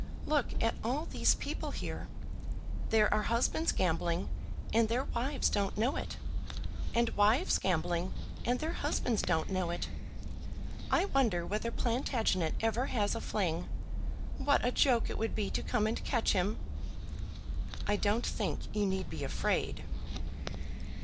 Look at all these people here. There are husbands gambling, and their wives don't know it; and wives gambling, and their husbands don't know it. I wonder whether Plantagenet ever has a fling? What a joke it would be to come and catch him!" "I don't think you need be afraid."